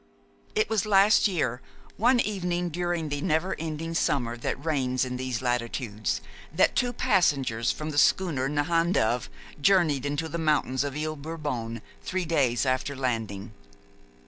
XXX It was last year, one evening during the never ending summer that reigns in those latitudes, that two passengers from the schooner Nahandove journeyed into the mountains of Ile Bourbon three days after landing.